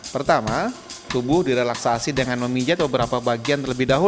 pertama tubuh direlaksasi dengan memijat beberapa bagian